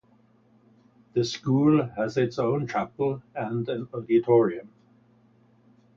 The school has its own chapel and an auditorium.